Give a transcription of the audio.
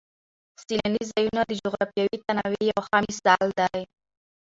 سیلاني ځایونه د جغرافیوي تنوع یو ښه مثال دی.